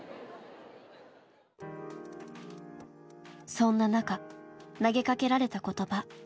そんな中投げかけられた言葉。